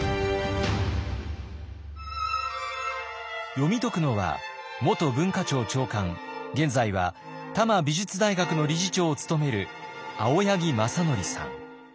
読み解くのは元文化庁長官現在は多摩美術大学の理事長を務める青柳正規さん。